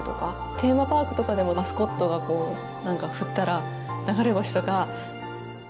テーマパークとかでもマスコットがこう何か振ったら流れ星とか。